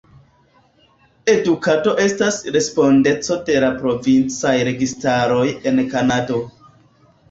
Edukado estas respondeco de la provincaj registaroj en Kanado.